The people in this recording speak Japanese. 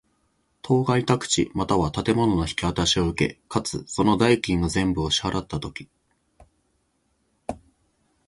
当該宅地又は建物の引渡しを受け、かつ、その代金の全部を支払つたとき。